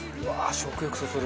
食欲そそる！